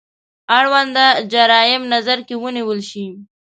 اړونده جرايم نظر کې ونیول شي.